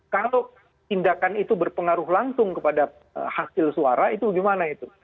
kalau tindakan itu berpengaruh langsung kepada hasil suara itu bagaimana itu